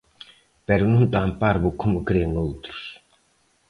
Pero non tan parvo como cren outros.